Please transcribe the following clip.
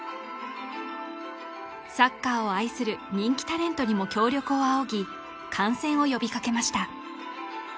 サッカーを愛する人気タレントにも協力を仰ぎ観戦を呼びかけました